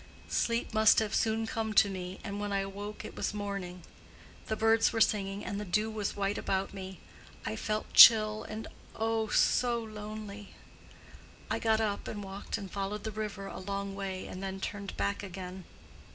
Sleep must have soon come to me, and when I awoke it was morning. The birds were singing, and the dew was white about me, I felt chill and oh, so lonely! I got up and walked and followed the river a long way and then turned back again.